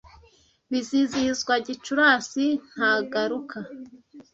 bizihizwa gicurasi nta garuka